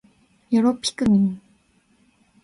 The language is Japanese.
よろぴくみん